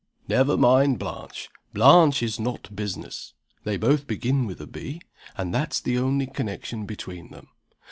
"Never mind Blanche. Blanche is not business. They both begin with a B and that's the only connection between them.